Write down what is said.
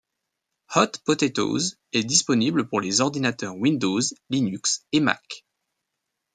Hot Potatoes est disponible pour les ordinateurs Windows, Linux et Mac.